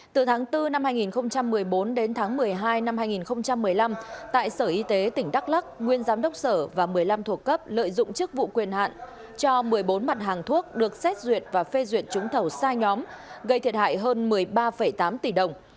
từ tháng bốn năm hai nghìn một mươi bốn đến tháng một mươi hai năm hai nghìn một mươi năm tại sở y tế tỉnh đắk lắc nguyên giám đốc sở và một mươi năm thuộc cấp lợi dụng chức vụ quyền hạn cho một mươi bốn mặt hàng thuốc được xét duyệt và phê duyệt trúng thầu sai nhóm gây thiệt hại hơn một mươi ba tám tỷ đồng